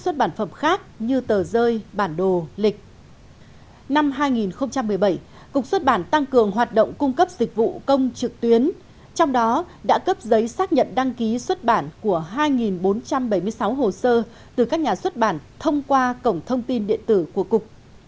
năm hai nghìn một mươi bảy cục xuất bản tăng cường hoạt động cung cấp dịch vụ công trực tuyến trong đó đã cấp giấy xác nhận đăng ký xuất bản của hai bốn trăm bảy mươi sáu hồ sơ từ các nhà xuất bản thông qua cổng thông tin điện tử của cục